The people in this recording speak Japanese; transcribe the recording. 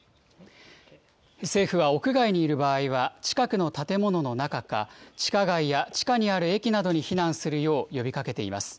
政府は屋外にいる場合は、近くの建物の中か、地下街や地下にある駅などに避難するよう呼びかけています。